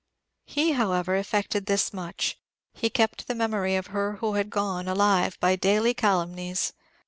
He, however, effected this much: he kept the memory of her who had gone, alive by daily calumnies.